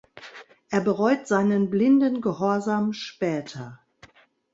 Er bereut seinen blinden Gehorsam später.